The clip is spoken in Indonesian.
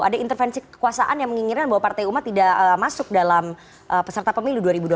ada intervensi kekuasaan yang menginginkan bahwa partai umat tidak masuk dalam peserta pemilu dua ribu dua puluh